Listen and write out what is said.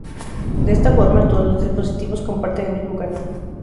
De esta forma todos los dispositivos comparten el mismo canal.